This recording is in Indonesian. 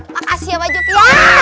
makasih ya pak juki